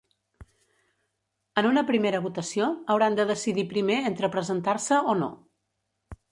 En una primera votació, hauran de decidir primer entre presentar-se o no.